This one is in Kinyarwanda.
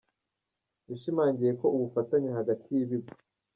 yashimangiye ko ubufatanye hagati y’ibigo.